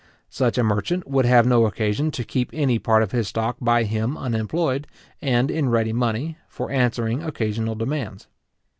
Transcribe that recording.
Such a merchant would have no occasion to keep any part of his stock by him unemployed, and in ready money, for answering occasional demands.